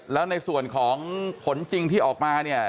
แล้วในส่วนของผลจริงที่ออกมาเนี่ย